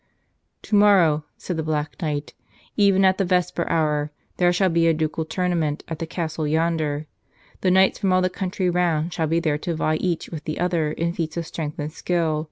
"Tomorrow," said the Black Knight, "even at the vesper hour, there shall be a ducal tournament at the Castle yonder. The knights from all the country round shall be there to vie each with the other in feats of strength and skill.